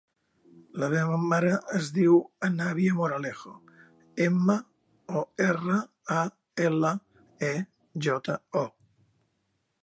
La meva mare es diu Anabia Moralejo: ema, o, erra, a, ela, e, jota, o.